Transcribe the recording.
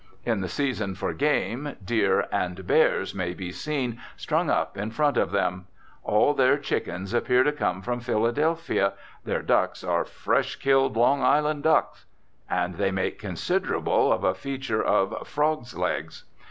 In the season for game, deer and bears may be seen strung up in front of them; all their chickens appear to come from Philadelphia, their ducks are "fresh killed Long Island ducks," and they make considerable of a feature of "frogs' legs."